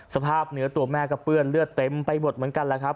สภาพเหนือตัวแม่กระเปื้ลเลือดเต็มไปหมดเหมือนกัน